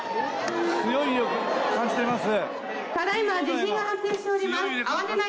強い揺れを感じています。